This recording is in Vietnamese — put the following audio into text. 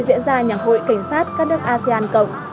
diễn ra nhạc hội cảnh sát các nước asean cộng